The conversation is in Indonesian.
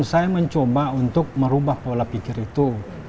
saya mencoba untuk merubah pola pikir itu